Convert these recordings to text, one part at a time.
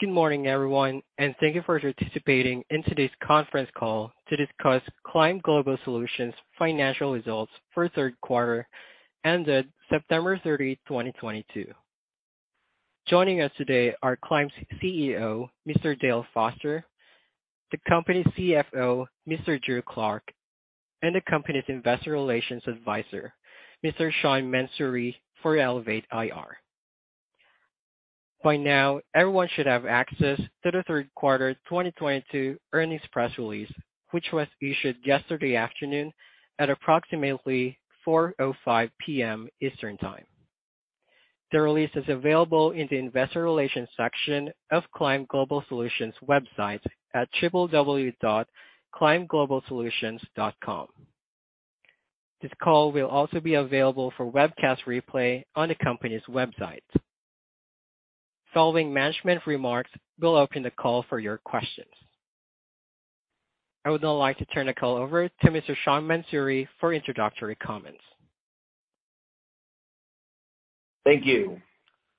Good morning, everyone, and thank you for participating in today's conference call to discuss Climb Global Solutions' Financial Results for Third Quarter ended September 30, 2022. Joining us today are Climb's CEO, Mr. Dale Foster, the company's CFO, Mr. Drew Clark, and the company's investor relations advisor, Mr. Sean Mansouri, for Elevate IR. By now, everyone should have access to the third quarter 2022 earnings press release, which was issued yesterday afternoon at approximately 4:05 P.M. Eastern Time. The release is available in the investor relations section of Climb Global Solutions' website at www.climbglobalsolutions.com. This call will also be available for webcast replay on the company's website. Following management remarks, we'll open the call for your questions. I would now like to turn the call over to Mr. Sean Mansouri for introductory comments. Thank you.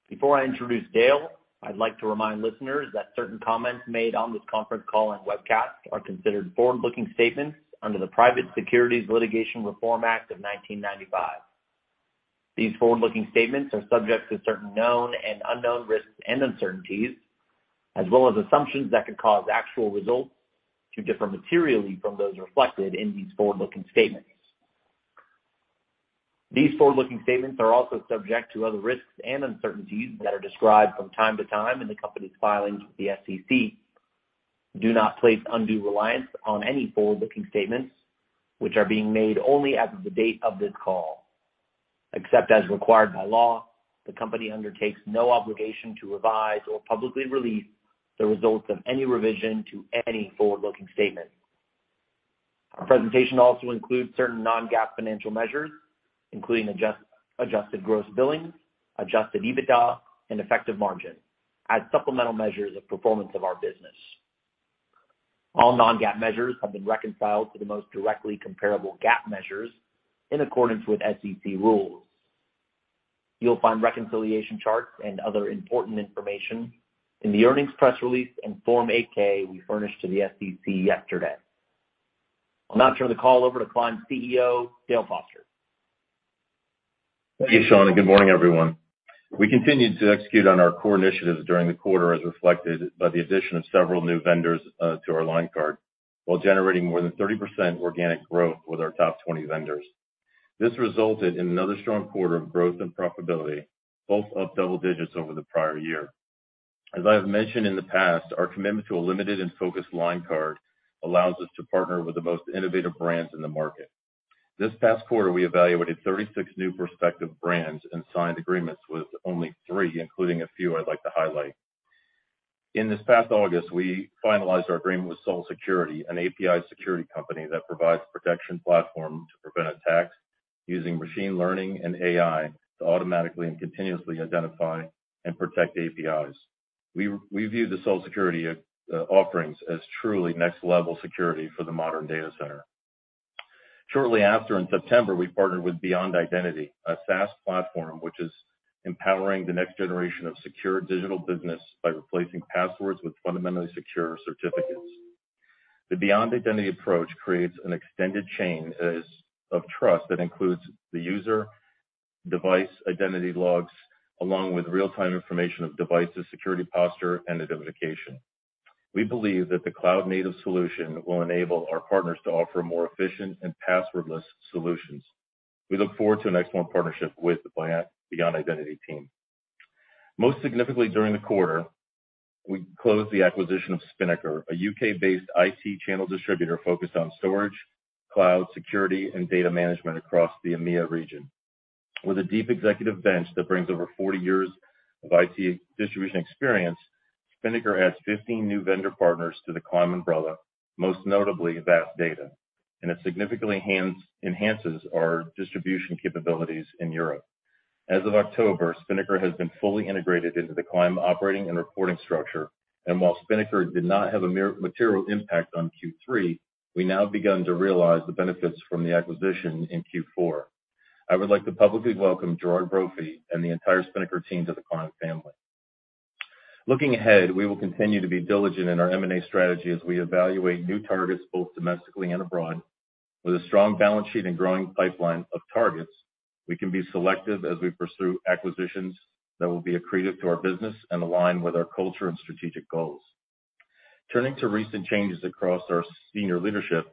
Before I introduce Dale, I'd like to remind listeners that certain comments made on this conference call and webcast are considered forward-looking statements under the Private Securities Litigation Reform Act of 1995. These forward-looking statements are subject to certain known and unknown risks and uncertainties, as well as assumptions that could cause actual results to differ materially from those reflected in these forward-looking statements. These forward-looking statements are also subject to other risks and uncertainties that are described from time to time in the company's filings with the SEC. Do not place undue reliance on any forward-looking statements which are being made only as of the date of this call. Except as required by law, the company undertakes no obligation to revise or publicly release the results of any revision to any forward-looking statement. Our presentation also includes certain non-GAAP financial measures, including Adjusted Gross Billings, adjusted EBITDA, and effective margin as supplemental measures of performance of our business. All non-GAAP measures have been reconciled to the most directly comparable GAAP measures in accordance with SEC rules. You'll find reconciliation charts and other important information in the earnings press release and Form 8-K we furnished to the SEC yesterday. I'll now turn the call over to Climb CEO, Dale Foster. Thank you, Sean, and good morning, everyone. We continued to execute on our core initiatives during the quarter as reflected by the addition of several new vendors to our line card while generating more than 30% organic growth with our top 20 vendors. This resulted in another strong quarter of growth and profitability, both up double digits over the prior year. As I have mentioned in the past, our commitment to a limited and focused line card allows us to partner with the most innovative brands in the market. This past quarter, we evaluated 36 new prospective brands and signed agreements with only three, including a few I'd like to highlight. In this past August, we finalized our agreement with Salt Security, an API security company that provides protection platform to prevent attacks using machine learning and AI to automatically and continuously identify and protect APIs. We view the Salt Security offerings as truly next-level security for the modern data center. Shortly after, in September, we partnered with Beyond Identity, a SaaS platform which is empowering the next generation of secure digital business by replacing passwords with fundamentally secure certificates. The Beyond Identity approach creates an extended chain of trust that includes the user, device identity logs, along with real-time information of devices' security posture and identification. We believe that the cloud-native solution will enable our partners to offer more efficient and passwordless solutions. We look forward to an excellent partnership with the Beyond Identity team. Most significantly during the quarter, we closed the acquisition of Spinnakar, a UK-based IT channel distributor focused on storage, cloud security, and data management across the EMEA region. With a deep executive bench that brings over 40 years of IT distribution experience, Spinnakar adds 15 new vendor partners to the Climb umbrella, most notably VAST Data, and it significantly enhances our distribution capabilities in Europe. As of October, Spinnakar has been fully integrated into the Climb operating and reporting structure. While Spinnakar did not have a material impact on Q3, we now have begun to realize the benefits from the acquisition in Q4. I would like to publicly welcome Gerard Brophy and the entire Spinnakar team to the Climb family. Looking ahead, we will continue to be diligent in our M&A strategy as we evaluate new targets, both domestically and abroad. With a strong balance sheet and growing pipeline of targets, we can be selective as we pursue acquisitions that will be accretive to our business and align with our culture and strategic goals. Turning to recent changes across our senior leadership,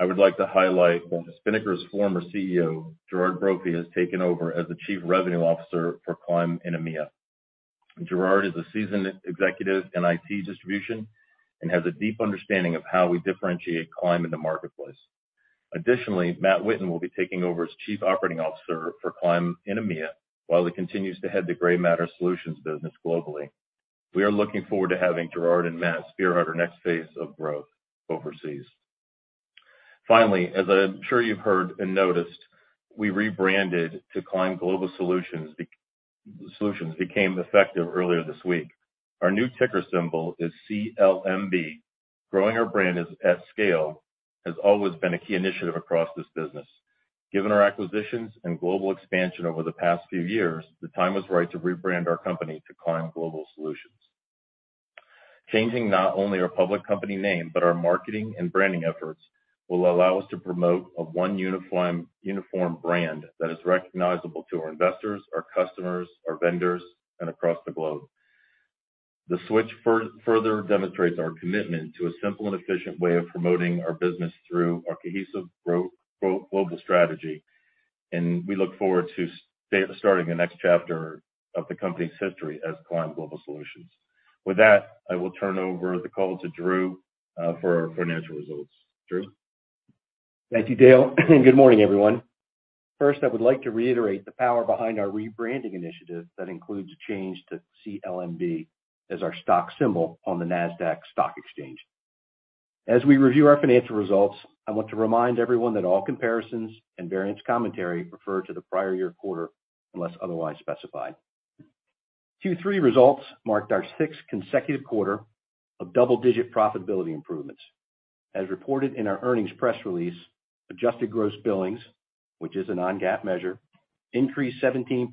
I would like to highlight that Spinnakar's former CEO, Gerard Brophy, has taken over as the Chief Revenue Officer for Climb in EMEA. Gerard is a seasoned executive in IT distribution and has a deep understanding of how we differentiate Climb in the marketplace. Additionally, Matt Whitton will be taking over as Chief Operating Officer for Climb in EMEA while he continues to head the Grey Matter Solutions business globally. We are looking forward to having Gerard and Matt spearhead our next phase of growth overseas. Finally, as I'm sure you've heard and noticed, we rebranded to Climb Global Solutions became effective earlier this week. Our new ticker symbol is CLMB. Growing our brand at scale has always been a key initiative across this business. Given our acquisitions and global expansion over the past few years, the time was right to rebrand our company to Climb Global Solutions. Changing not only our public company name, but our marketing and branding efforts will allow us to promote a one uniform brand that is recognizable to our investors, our customers, our vendors, and across the globe. The switch further demonstrates our commitment to a simple and efficient way of promoting our business through our cohesive global strategy, and we look forward to starting the next chapter of the company's history as Climb Global Solutions. With that, I will turn over the call to Drew for our financial results. Drew? Thank you, Dale. Good morning, everyone. First, I would like to reiterate the power behind our rebranding initiative that includes a change to CLMB as our stock symbol on the NASDAQ Stock Exchange. As we review our financial results, I want to remind everyone that all comparisons and variance commentary refer to the prior year-ago quarter, unless otherwise specified. Q3 results marked our sixth consecutive quarter of double-digit profitability improvements. As reported in our earnings press release, Adjusted Gross Billings, which is a non-GAAP measure, increased 17%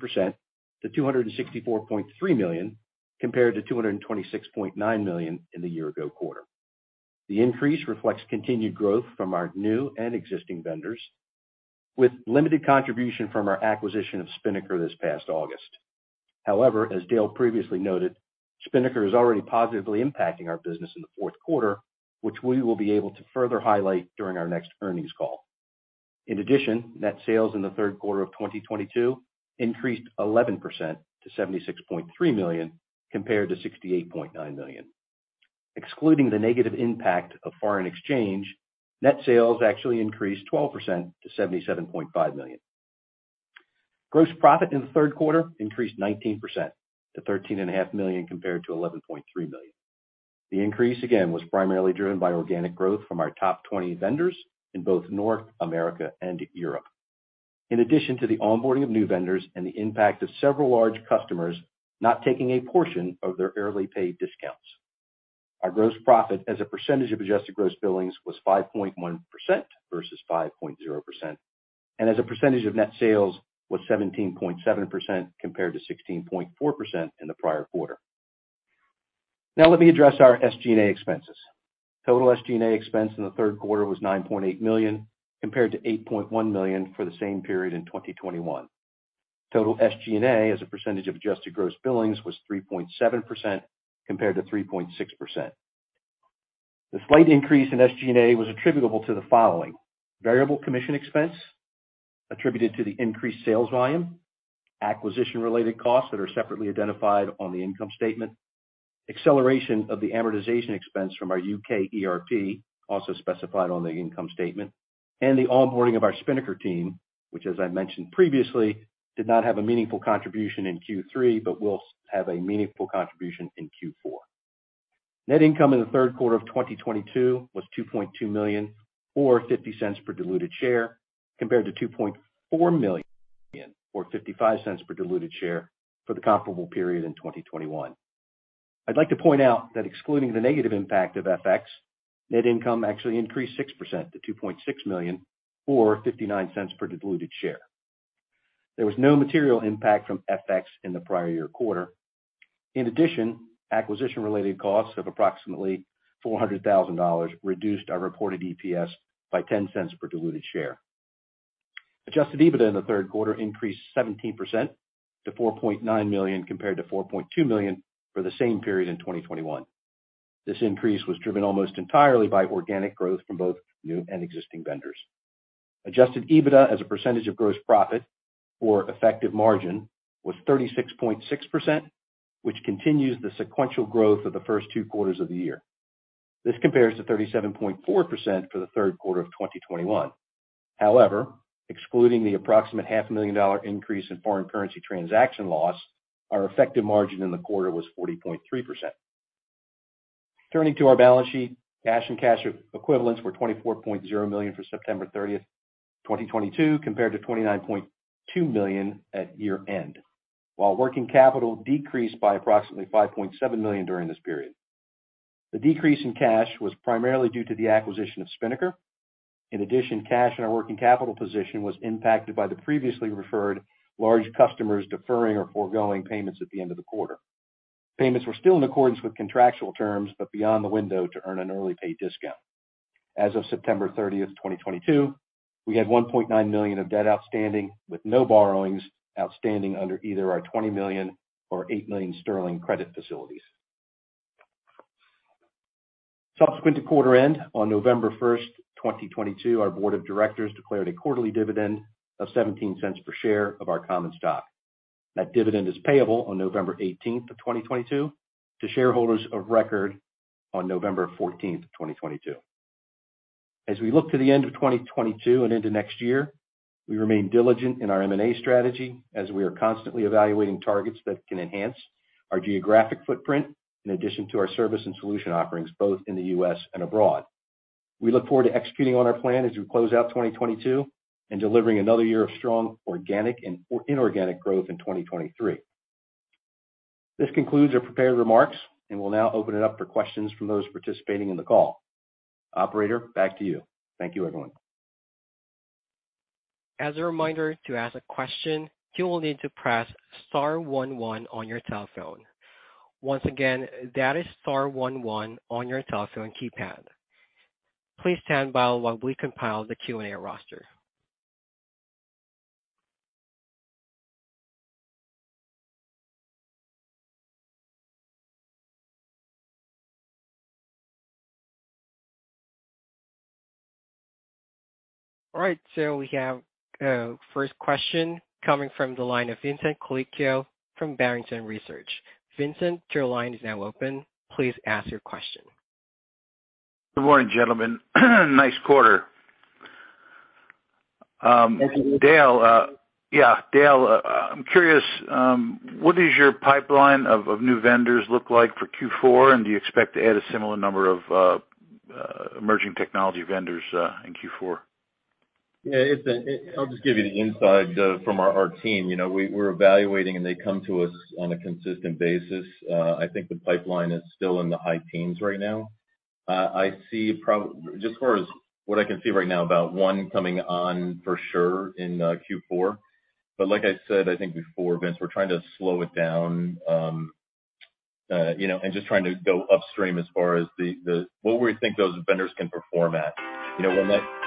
to $264.3 million, compared to $226.9 million in the year-ago quarter. The increase reflects continued growth from our new and existing vendors, with limited contribution from our acquisition of Spinnakar this past August. However, as Dale previously noted, Spinnakar is already positively impacting our business in the fourth quarter, which we will be able to further highlight during our next earnings call. In addition, net sales in the third quarter of 2022 increased 11% to $76.3 million compared to $68.9 million. Excluding the negative impact of foreign exchange, net sales actually increased 12% to $77.5 million. Gross profit in the third quarter increased 19% to $13.5 million compared to $11.3 million. The increase, again, was primarily driven by organic growth from our top 20 vendors in both North America and Europe. In addition to the onboarding of new vendors and the impact of several large customers not taking a portion of their early pay discounts. Our gross profit as a percentage of Adjusted Gross Billings was 5.1% versus 5.0%, and as a percentage of net sales was 17.7% compared to 16.4% in the prior quarter. Now let me address our SG&A expenses. Total SG&A expense in the third quarter was $9.8 million, compared to $8.1 million for the same period in 2021. Total SG&A as a percentage of Adjusted Gross Billings was 3.7% compared to 3.6%. The slight increase in SG&A was attributable to the following, variable commission expense attributed to the increased sales volume, acquisition related costs that are separately identified on the income statement, acceleration of the amortization expense from our UK ERP, also specified on the income statement, and the onboarding of our Spinnakar team, which as I mentioned previously, did not have a meaningful contribution in Q3, but will have a meaningful contribution in Q4. Net income in the third quarter of 2022 was $2.2 million or $0.50 per diluted share, compared to $2.4 million or $0.55 per diluted share for the comparable period in 2021. I'd like to point out that excluding the negative impact of FX, net income actually increased 6% to $2.6 million or $0.59 per diluted share. There was no material impact from FX in the prior year quarter. In addition, acquisition related costs of approximately $400,000 reduced our reported EPS by $0.10 per diluted share. Adjusted EBITDA in the third quarter increased 17% to $4.9 million compared to $4.2 million for the same period in 2021. This increase was driven almost entirely by organic growth from both new and existing vendors. Adjusted EBITDA as a percentage of gross profit or effective margin was 36.6%, which continues the sequential growth of the first two quarters of the year. This compares to 37.4% for the third quarter of 2021. However, excluding the approximate half a million dollar increase in foreign currency transaction loss, our effective margin in the quarter was 40.3%. Turning to our balance sheet, cash and cash equivalents were $24.0 million for September 30th, 2022, compared to $29.2 million at year-end, while working capital decreased by approximately $5.7 million during this period. The decrease in cash was primarily due to the acquisition of Spinnakar. In addition, cash in our working capital position was impacted by the previously referred large customers deferring or foregoing payments at the end of the quarter. Payments were still in accordance with contractual terms, but beyond the window to earn an early pay discount. As of September 30th, 2022, we had $1.9 million of debt outstanding, with no borrowings outstanding under either our $20 million or 8 million sterling credit facilities. Subsequent to quarter end, on November 1st, 2022, our board of directors declared a quarterly dividend of $0.17 per share of our common stock. That dividend is payable on November 18th, 2022 to shareholders of record on November 14th, 2022. As we look to the end of 2022 and into next year, we remain diligent in our M&A strategy as we are constantly evaluating targets that can enhance our geographic footprint in addition to our service and solution offerings both in the U.S. and abroad. We look forward to executing on our plan as we close out 2022 and delivering another year of strong organic and inorganic growth in 2023. This concludes our prepared remarks, and we'll now open it up for questions from those participating in the call. Operator, back to you. Thank you, everyone. As a reminder, to ask a question, you will need to press star one one on your telephone. Once again, that is star one one on your telephone keypad. Please stand by while we compile the Q&A roster. All right, we have a first question coming from the line of Vincent Colicchio from Barrington Research. Vincent, your line is now open. Please ask your question. Good morning, gentlemen. Nice quarter. Thank you. Dale, I'm curious, what is your pipeline of new vendors look like for Q4 and do you expect to add a similar number of emerging technology vendors in Q4? Yeah, Vincent, I'll just give you the insight from our team. You know, we're evaluating and they come to us on a consistent basis. I think the pipeline is still in the high teens right now. I see just as far as what I can see right now, about one coming on for sure in Q4. Like I said, I think before, Vince, we're trying to slow it down and just trying to go upstream as far as the what we think those vendors can perform at. You know, we'll let the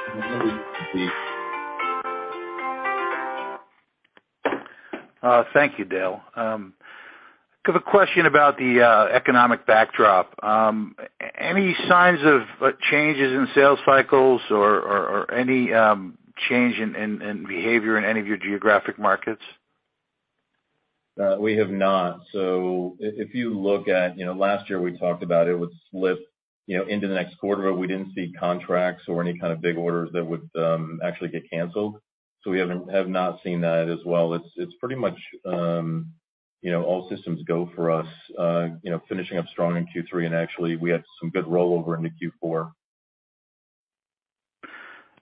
Thank you, Dale. I have a question about the economic backdrop. Any signs of changes in sales cycles or any change in behavior in any of your geographic markets? We have not. If you look at, you know, last year we talked about it would slip, you know, into the next quarter, but we didn't see contracts or any kind of big orders that would, actually get canceled. We have not seen that as well. It's pretty much, you know, all systems go for us, you know, finishing up strong in Q3 and actually we had some good rollover into Q4.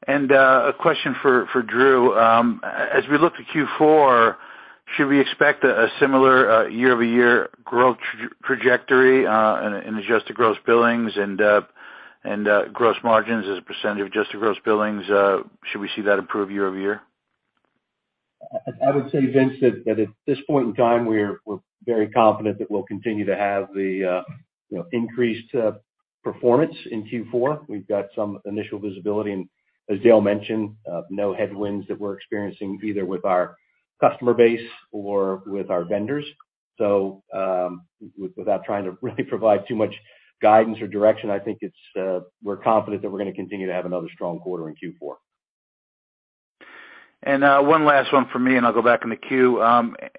A question for Drew. As we look to Q4, should we expect a similar year-over-year growth trajectory in Adjusted Gross Billings and gross margins as a percentage of Adjusted Gross Billings? Should we see that improve year over year? I would say, Vincent, that at this point in time, we're very confident that we'll continue to have the you know increased performance in Q4. We've got some initial visibility and as Dale mentioned, no headwinds that we're experiencing either with our customer base or with our vendors. Without trying to really provide too much guidance or direction, I think we're confident that we're gonna continue to have another strong quarter in Q4. One last one for me and I'll go back in the queue.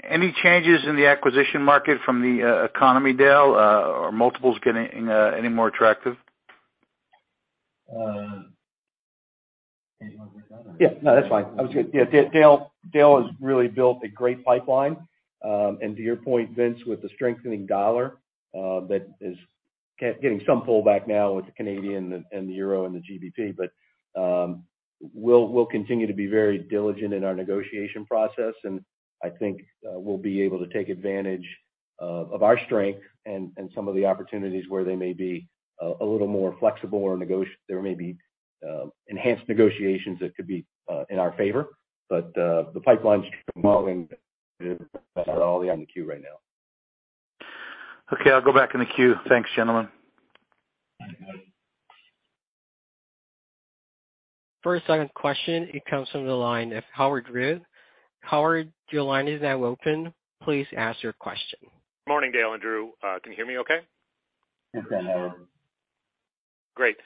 Any changes in the acquisition market from the economy, Dale? Are multiples getting any more attractive? Do you want to take that? Yeah, no, that's fine. I was gonna. Yeah, Dale has really built a great pipeline. To your point, Vince, with the strengthening dollar, that is getting some pullback now with the Canadian and the euro and the GBP. We'll continue to be very diligent in our negotiation process, and I think we'll be able to take advantage of our strength and some of the opportunities where they may be a little more flexible or there may be enhanced negotiations that could be in our favor. The pipeline's modeling on the Q right now. Okay, I'll go back in the queue. Thanks, gentlemen. For our second question, it comes from the line of Howard Root. Howard, your line is now open. Please ask your question. Morning, Dale and Drew. Can you hear me okay? Yes, we can, Howard. Great.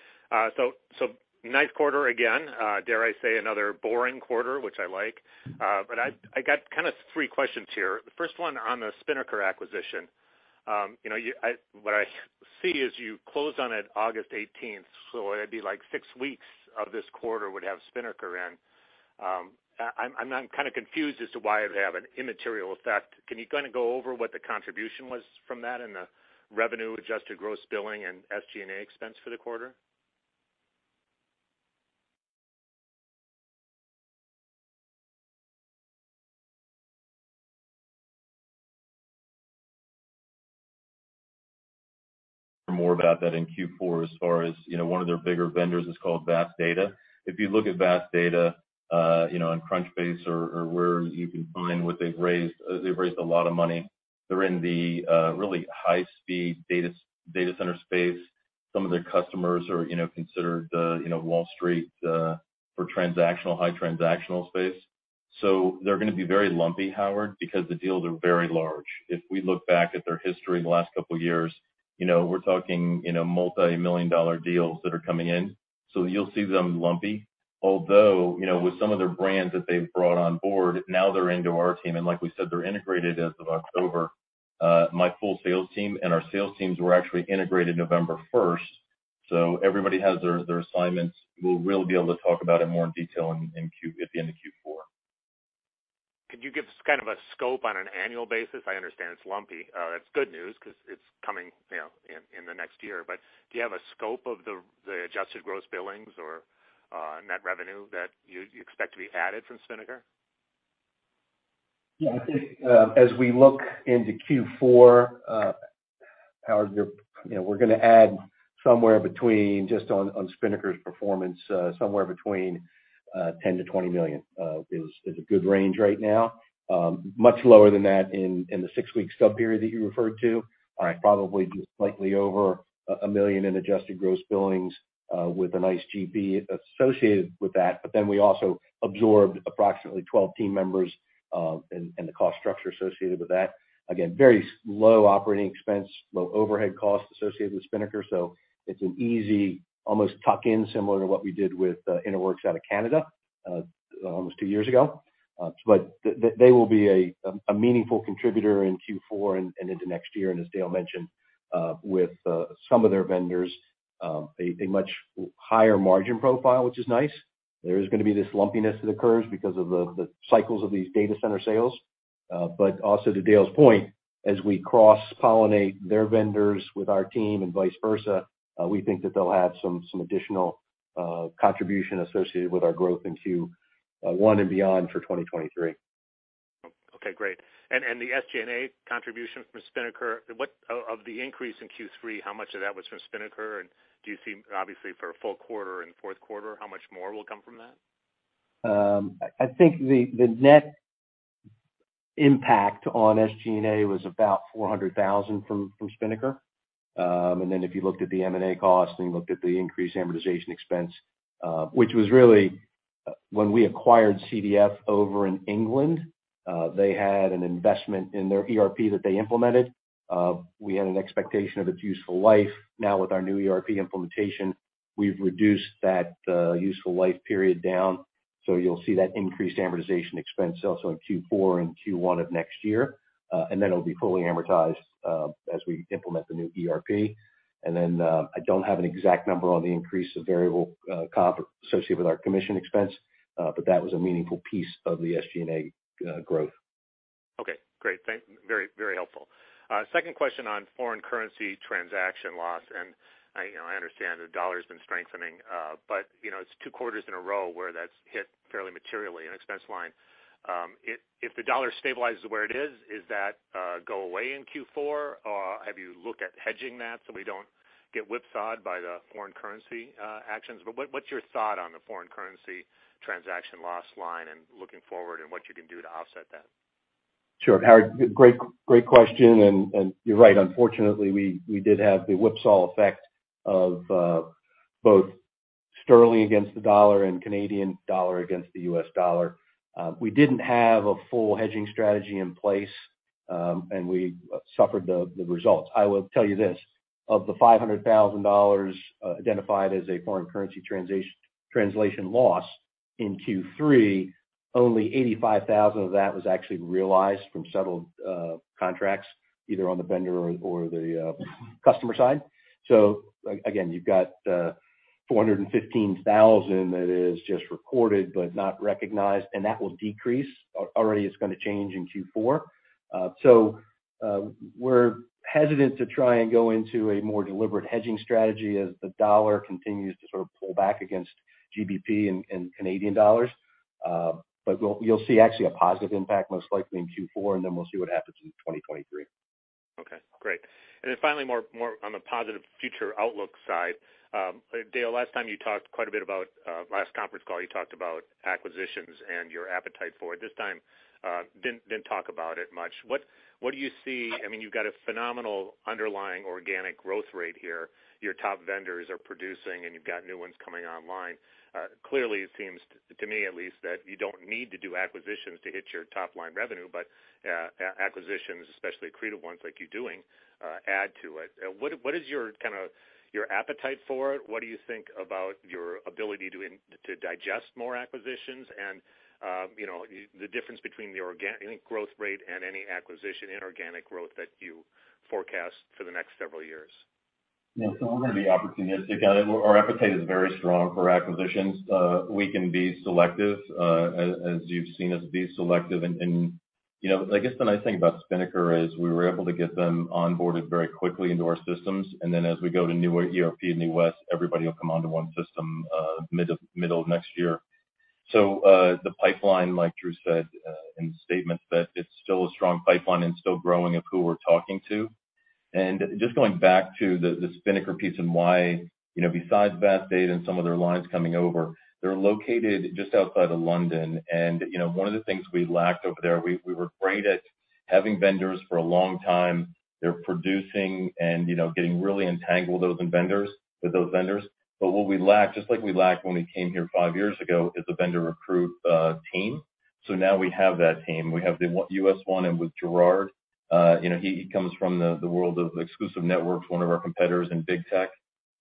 Nice quarter again. Dare I say another boring quarter, which I like. I got kind of three questions here. The first one on the Spinnakar acquisition. You know, what I see is you closed on it August eighteenth, so it'd be like six weeks of this quarter would have Spinnakar in. I'm kind of confused as to why it would have an immaterial effect. Can you kind of go over what the contribution was from that in the revenue, Adjusted Gross Billings and SG&A expense for the quarter? More about that in Q4 as far as, you know, one of their bigger vendors is called VAST Data. If you look at VAST Data, you know, on Crunchbase or where you can find what they've raised, they've raised a lot of money. They're in the really high-speed data center space. Some of their customers are, you know, considered, you know, Wall Street for transactional, high transactional space. So they're gonna be very lumpy, Howard, because the deals are very large. If we look back at their history in the last couple of years, you know, we're talking, you know, multi-million dollar deals that are coming in. So you'll see them lumpy. Although, you know, with some of their brands that they've brought on board, now they're into our team. Like we said, they're integrated as of October. My full sales team and our sales teams were actually integrated November 1st, so everybody has their assignments. We'll really be able to talk about in more detail at the end of Q4. Could you give us kind of a scope on an annual basis? I understand it's lumpy. That's good news 'cause it's coming, you know, in the next year. Do you have a scope of the Adjusted Gross Billings or net revenue that you expect to be added from Spinnakar? Yeah, I think, as we look into Q4, Howard, you know, we're gonna add somewhere between just on Spinnakar's performance, somewhere between $10 million-$20 million is a good range right now. Much lower than that in the 6 week sub-period that you referred to. All right, probably just slightly over $1 million in Adjusted Gross Billings with a nice GP associated with that. But then we also absorbed approximately 12 team members and the cost structure associated with that. Again, very low operating expense, low overhead costs associated with Spinnakar. So it's an easy, almost tuck-in similar to what we did with Interwork Technologies out of Canada, almost two years ago. But they will be a meaningful contributor in Q4 and into next year. As Dale mentioned, with some of their vendors, a much higher margin profile, which is nice. There is gonna be this lumpiness that occurs because of the cycles of these data center sales. Also to Dale's point, as we cross-pollinate their vendors with our team and vice versa, we think that they'll have some additional contribution associated with our growth in Q1 and beyond for 2023. Okay, great. The SG&A contribution from Spinnakar, of the increase in Q3, how much of that was from Spinnakar? Do you see obviously for a full quarter in fourth quarter, how much more will come from that? I think the net impact on SG&A was about $400,000 from Spinnakar. If you looked at the M&A cost and the increased amortization expense, which was really when we acquired CDF over in England, they had an investment in their ERP that they implemented. We had an expectation of its useful life. Now with our new ERP implementation, we've reduced that useful life period down, so you'll see that increased amortization expense also in Q4 and Q1 of next year. It'll be fully amortized as we implement the new ERP. I don't have an exact number on the increase of variable comp associated with our commission expense, but that was a meaningful piece of the SG&A growth. Okay, great. Very, very helpful. Second question on foreign currency transaction loss, and I, you know, I understand the dollar's been strengthening, but you know, it's two quarters in a row where that's hit fairly materially in expense line. If the dollar stabilizes where it is that go away in Q4? Or have you looked at hedging that so we don't get whipsawed by the foreign currency actions? But what's your thought on the foreign currency transaction loss line and looking forward and what you can do to offset that? Sure, Howard, great question, and you're right. Unfortunately, we did have the whipsaw effect of both sterling against the dollar and Canadian dollar against the US dollar. We didn't have a full hedging strategy in place, and we suffered the results. I will tell you this, of the $500,000 identified as a foreign currency translation loss in Q3, only $85,000 of that was actually realized from settled contracts, either on the vendor or the customer side. Again, you've got $415,000 that is just recorded but not recognized, and that will decrease. Already it's gonna change in Q4. We're hesitant to try and go into a more deliberate hedging strategy as the dollar continues to sort of pull back against GBP and Canadian dollars. You'll see actually a positive impact most likely in Q4, and then we'll see what happens in 2023. Okay, great. Finally, more on the positive future outlook side. Dale, last time you talked quite a bit about last conference call, you talked about acquisitions and your appetite for it. This time, didn't talk about it much. What do you see? I mean, you've got a phenomenal underlying organic growth rate here. Your top vendors are producing, and you've got new ones coming online. Clearly it seems, to me at least, that you don't need to do acquisitions to hit your top-line revenue, but acquisitions, especially accretive ones like you're doing, add to it. What is your kind of appetite for it? What do you think about your ability to digest more acquisitions and, you know, the difference between the organic growth rate and any acquisition, inorganic growth that you forecast for the next several years? We're gonna be opportunistic. Our appetite is very strong for acquisitions. We can be selective, as you've seen us be selective. You know, I guess the nice thing about Spinnakar is we were able to get them onboarded very quickly into our systems. Then as we go to new ERP, NetSuite, everybody will come onto one system, mid of next year. The pipeline, like Drew said, in his statement, it's still a strong pipeline and still growing of who we're talking to. Just going back to the Spinnakar piece and why, you know, besides VAST Data and some of their lines coming over, they're located just outside of London. You know, one of the things we lacked over there, we were great at having vendors for a long time. They're producing and getting really entangled with those vendors. What we lack, just like we lacked when we came here five years ago, is a vendor recruit team. Now we have that team. We have the U.S. one and with Gerard, he comes from the world of Exclusive Networks, one of our competitors in big tech.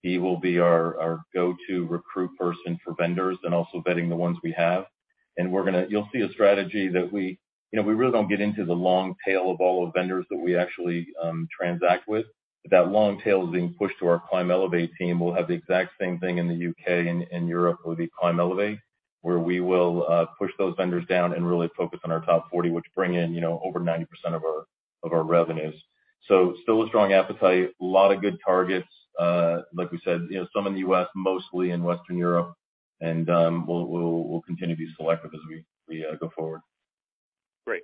He will be our go-to recruit person for vendors and also vetting the ones we have. You'll see a strategy that we really don't get into the long tail of all the vendors that we actually transact with. That long tail is being pushed to our Climb Elevate team. We'll have the exact same thing in the U.K. and Europe will be Climb Elevate, where we will push those vendors down and really focus on our top 40, which bring in, you know, over 90% of our revenues. Still a strong appetite, lot of good targets, like we said, you know, some in the U.S., mostly in Western Europe. We'll continue to be selective as we go forward. Great.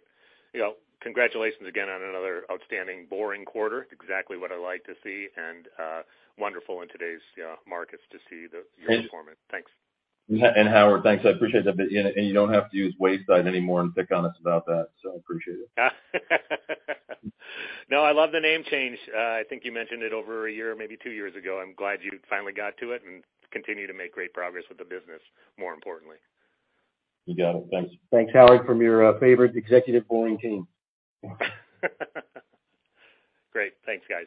You know, congratulations again on another outstanding boring quarter. Exactly what I like to see and, wonderful in today's, you know, markets to see the. And- your performance. Thanks. Howard, thanks. I appreciate that. You know, and you don't have to use Wayside anymore and pick on us about that, so I appreciate it. No, I love the name change. I think you mentioned it over a year, maybe two years ago. I'm glad you finally got to it and continue to make great progress with the business, more importantly. You got it. Thanks. Thanks, Howard, from your favorite executive bowling team. Great. Thanks, guys.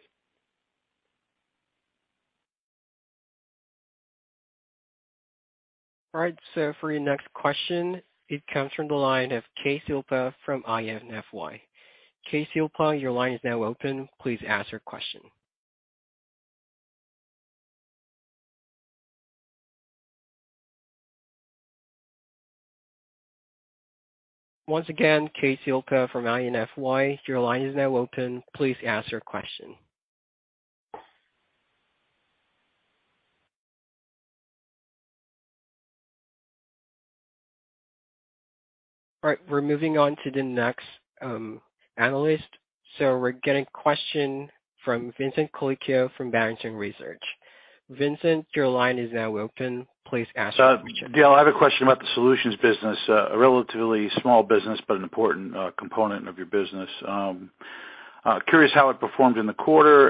All right, for your next question, it comes from the line of Casey Olka from INFY. Casey Olka, your line is now open. Please ask your question. Once again, Casey Olka from INFY, your line is now open. Please ask your question. All right, we're moving on to the next analyst. We're getting a question from Vincent Colicchio from Barrington Research. Vincent, your line is now open. Please ask your question. Dale, I have a question about the solutions business, a relatively small business, but an important component of your business. Curious how it performed in the quarter.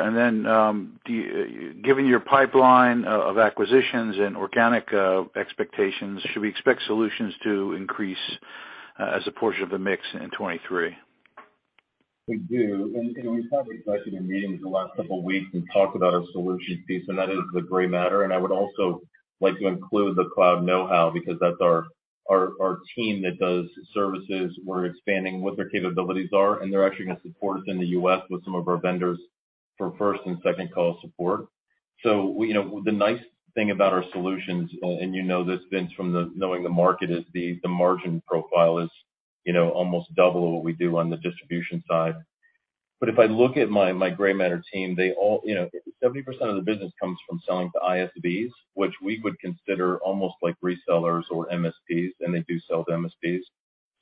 Given your pipeline of acquisitions and organic expectations, should we expect solutions to increase as a portion of the mix in 2023? We do. You know, we've probably both been in meetings the last couple weeks and talked about our solutions piece, and that is the Grey Matter. I would also like to include the Cloud Know How, because that's our team that does services. We're expanding what their capabilities are, and they're actually gonna support us in the U.S. with some of our vendors for first and second call support. You know, the nice thing about our solutions, and you know this, Vincent, from knowing the market, is the margin profile is, you know, almost double what we do on the distribution side. If I look at my Grey Matter team, they all. You know, 70% of the business comes from selling to ISVs, which we would consider almost like resellers or MSPs, and they do sell to MSPs.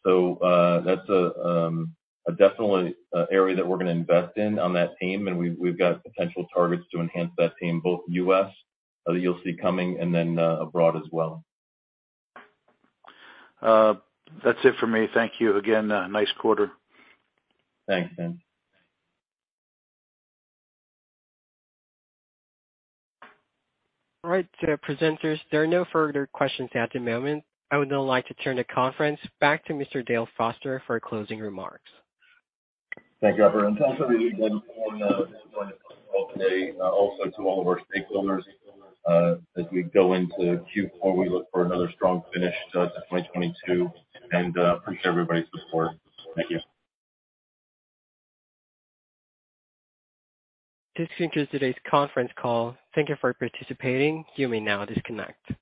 That's a definite area that we're gonna invest in on that team, and we've got potential targets to enhance that team, both U.S. that you'll see coming, and then abroad as well. That's it for me. Thank you again. Nice quarter. Thanks, Vince. All right. To the presenters, there are no further questions at the moment. I would now like to turn the conference back to Mr. Dale Foster for closing remarks. Thank you, everyone. It's also really good on joining us on the call today, also to all of our stakeholders, as we go into Q4. We look for another strong finish to 2022 and appreciate everybody's support. Thank you. This concludes today's conference call. Thank you for participating. You may now disconnect.